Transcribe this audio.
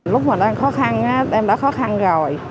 lúc mà đang khó khăn em đã khó khăn rồi